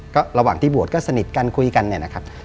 ก็ระหว่างที่บวชก็สนิทกันคุยกันเนี่ยนะครับ